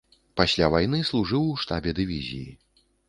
Пасля вайны служыў у штабе дывізіі.